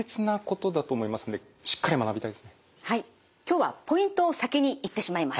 今日はポイントを先に言ってしまいます。